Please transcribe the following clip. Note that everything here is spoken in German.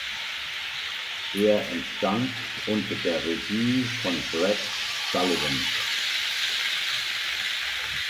Er entstand unter der Regie von Brett Sullivan.